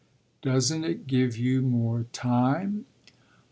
"Doesn't it give you more time?"